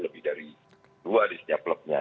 lebih dari dua di setiap klubnya